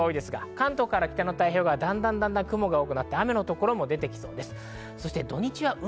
関東から北の太平洋側はだんだんと雲が多くなり、雨の所も出てきそうです。